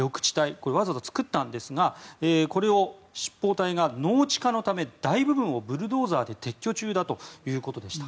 これはわざわざ作ったんですがこれを執法隊が農地化のため大部分をブルドーザーで撤去中だということでした。